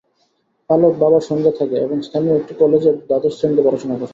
পালক বাবার সঙ্গে থাকে এবং স্থানীয় একটি কলেজে দ্বাদশ শ্রেণীতে পড়াশোনা করে।